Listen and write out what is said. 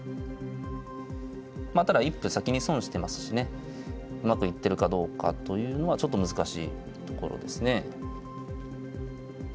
まあただ一歩先に損してますしねうまくいってるかどうかというのはちょっと難しいところですね。